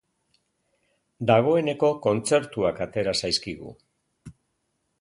Dagoeneko kontzertuak atera zaizkigu.